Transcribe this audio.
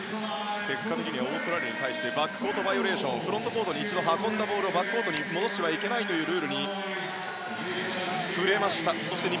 結果的にオーストラリアに対してバックコートバイオレーションフロントコートに一度運んだボールをバックコートに戻してはいけないというルールに触れました。